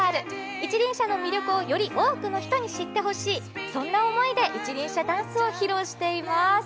一輪車の魅力をより多くの人に知ってほしい、そんな思いで一輪車ダンスを披露しています。